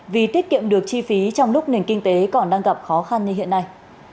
vì tiết kiệm được chi phí trong lúc nền kinh tế còn đang gặp khó khăn như hiện nay